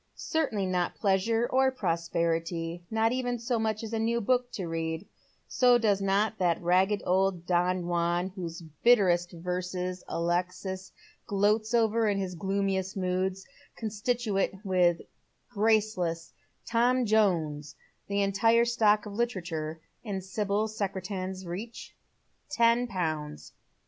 Certainly not pleasure or prosperity, not even so much as a new book to read, for does not that ragged old " Don Juan," whose bitterest vereea •'O Worlds thy Slippery Tunut" 16 JOexis gloats over in his gloomiest moods, constttnte, with faceless " Tom Jones," the entire stock of literature in Sibyl Secretan's reach ? Ten pounds.